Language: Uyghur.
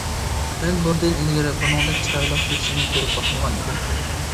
مەن بۇندىن ئىلگىرى بۇنىڭدەك چىرايلىق كۆكسىنى كۆرۈپ باقمىغان ئىدىم.